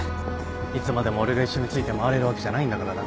いつまでも俺が一緒について回れるわけじゃないんだからな。